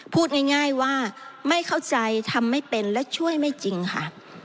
พูดง่ายว่าไม่เข้าใจทำไม่เป็นและช่วยไม่จริงค่ะ